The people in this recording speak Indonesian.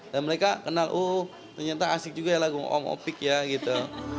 dan mereka kenal uh ternyata asik juga ya lagu om opik ya gitu